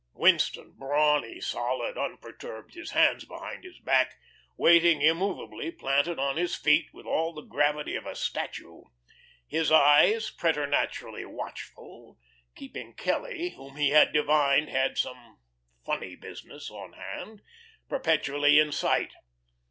Winston, brawny, solid, unperturbed, his hands behind his back, waited immovably planted on his feet with all the gravity of a statue, his eyes preternaturally watchful, keeping Kelly whom he had divined had some "funny business" on hand perpetually in sight.